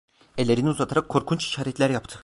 Ellerini uzatarak korkunç işaretler yaptı…